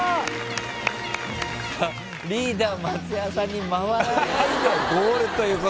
リーダー松也さんに回らないでゴールということです。